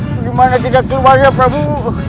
bagaimana tidak keluar ya prabu